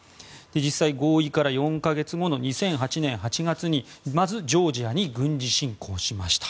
実際に合意から４か月後の２００８年８月にまずジョージアに軍事侵攻しました。